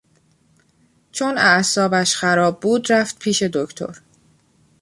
چون اعصابش خراب بود رفت پیش دکتر.